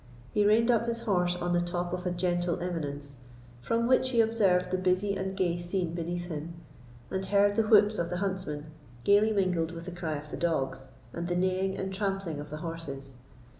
He reined up his horse on the top of a gentle eminence, from which he observed the busy and gay scene beneath him, and heard the whoops of the huntsmen, gaily mingled with the cry of the dogs, and the neighing and trampling of the horses.